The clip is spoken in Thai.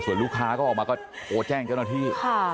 ส่วนลูกค้าก็ออกมาก็โทรแจ้งเจ้าหน้าที่